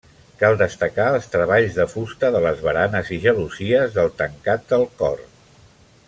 Cal destacar els treballs de fusta de les baranes i gelosies del tancat del cor.